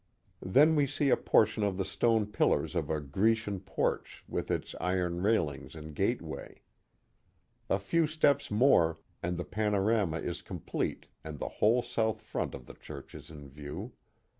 Then we see a portion of the stone pillars of a Grecian porch with its iron railings and gateway. A few steps more and the panorama is complete and the whole south front of the church is in view.